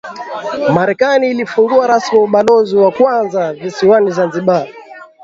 Marekani ilifungua rasmi ubalozi wa kwanza visiwani Zanzibar